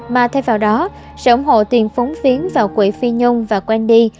mà thay vào đó sẽ ủng hộ tiền phóng phiến vào quỹ phi nhung và wendy